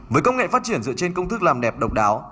với công nghệ phát triển dựa trên công thức làm đẹp độc đáo